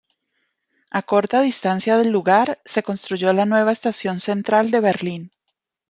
A corta distancia del lugar se construyó la nueva Estación Central de Berlín.